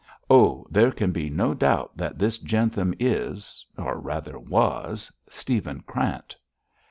Oh, there can be no doubt that this Jentham is or rather was Stephen Krant.'